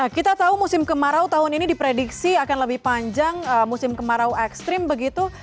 kita tahu musim kemarau tahun ini diprediksi akan lebih panjang musim kemarau ekstrim begitu